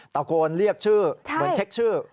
ตะโกนเรียกชื่อเหมือนเช็คชื่อ